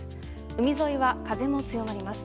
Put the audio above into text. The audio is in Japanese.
海沿いは風も強まります。